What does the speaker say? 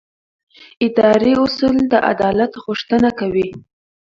اداري اصول د عدالت غوښتنه کوي.